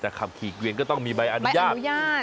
แต่ขับขี่เกวียนก็ต้องมีใบอนุญาต